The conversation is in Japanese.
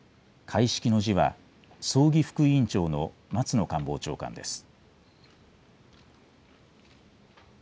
開式の辞は、葬儀副委員長の松野官房長官です。